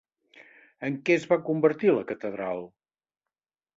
En què es va convertir la catedral?